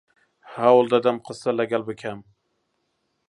هەوڵ دەدەم قسەت لەگەڵ بکەم.